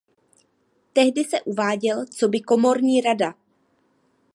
Tehdy se uváděl coby komorní rada.